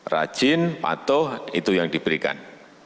rajin patuh itu yang diberikan